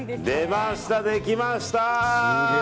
出ました、できました！